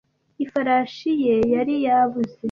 Ifarashi ye yari yabuze